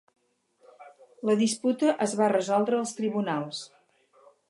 La disputa es va resoldre als tribunals.